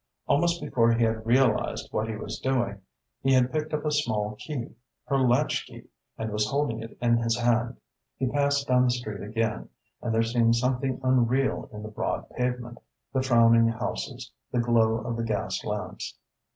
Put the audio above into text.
Almost before he had realised what he was doing, he had picked up a small key, her latch key, and was holding it in his hand. He passed down the street again and there seemed something unreal in the broad pavement, the frowning houses, the glow of the gas lamps.